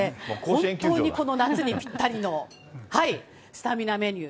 本当にこの夏にぴったりのスタミナメニュー。